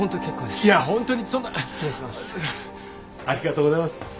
ありがとうございます。